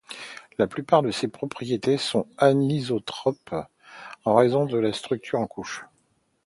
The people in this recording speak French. La plupart de ces propriétés sont anisotropes en raison de la structure en couches.